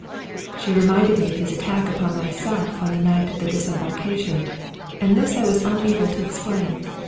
She reminded me of his attack upon myself on the night of the disembarkation, and this I was unable to explain.